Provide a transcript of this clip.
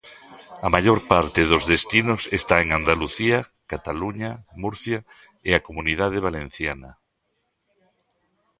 A maior parte dos destinos está en Andalucía, Cataluña, Murcia e a Comunidade Valenciana.